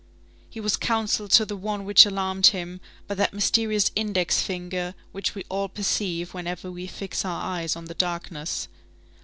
He was counselled to the one which alarmed him by that mysterious index finger which we all perceive whenever we fix our eyes on the darkness.